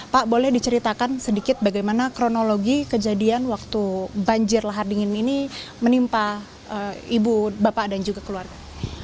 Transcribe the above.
pak boleh diceritakan sedikit bagaimana kronologi kejadian waktu banjir lahar dingin ini menimpa ibu bapak dan juga keluarga